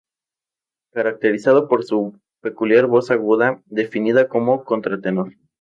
Caracterizado por su peculiar voz aguda, definida como Contratenor.